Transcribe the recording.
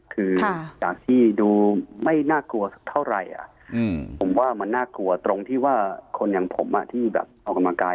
คือจากที่ดูไม่น่ากลัวเท่าไหร่ผมว่ามันน่ากลัวตรงที่ว่าคนอย่างผมที่แบบออกกำลังกาย